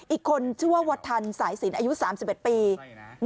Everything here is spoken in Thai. อีกคนชื่อว่าวัดทันสายศีลอายุสามสิบเอ็ดปีใช่น่ะ